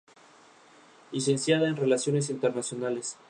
Licenciada en Relaciones Internacionales.